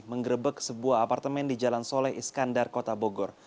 menggerebek sebuah apartemen di jalan soleh iskandar kota bogor